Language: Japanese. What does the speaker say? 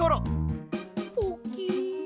ポキン。